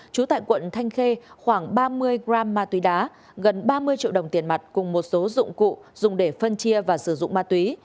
trú tại quận thanh khê khoảng ba mươi g ma túy đá gần ba mươi triệu đồng tiền mặt cùng một số dụng cụ dùng để phân chia và sử dụng ma túy